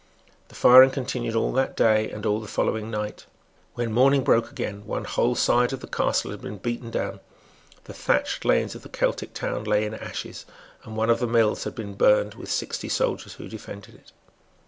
The firing continued all that day and all the following night. When morning broke again, one whole side of the castle had been beaten down; the thatched lanes of the Celtic town lay in ashes; and one of the mills had been burned with sixty soldiers who defended it.